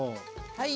はい。